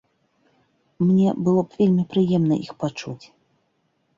Мне было б вельмі прыемна іх пачуць.